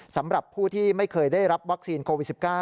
สำหรับผู้ที่ไม่เคยได้รับวัคซีนโควิด๑๙